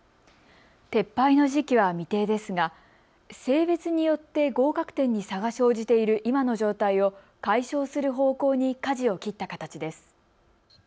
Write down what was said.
撤廃の時期は未定ですが性別によって合格点に差が生じている今の状態を解消する方向にかじを切った形です。